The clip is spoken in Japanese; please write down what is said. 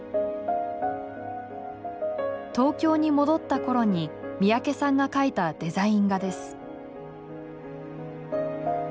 東京に戻った頃に三宅さんが描いたデザイン画です。